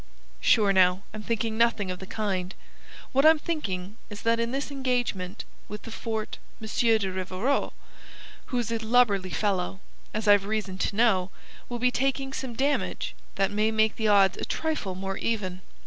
"Sure, now, I'm thinking nothing of the kind. What I'm thinking is that in this engagement with the fort M. de Rivarol, who's a lubberly fellow, as I've reason to know, will be taking some damage that may make the odds a trifle more even.